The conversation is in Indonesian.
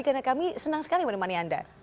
karena kami senang sekali menemani anda